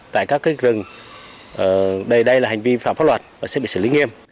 tại các cái rừng đây đây là hành vi phạm pháp luật và sẽ bị xử lý nghiêm